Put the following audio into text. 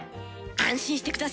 安心して下さい。